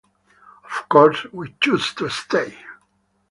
Of course, we choose to stay!